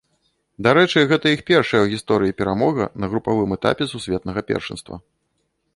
Дарэчы, гэта іх першая ў гісторыі перамога на групавым этапе сусветнага першынства.